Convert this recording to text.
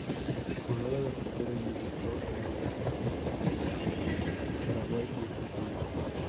Jugaba de portero y militó en diversos clubes de Uruguay, Paraguay y Argentina.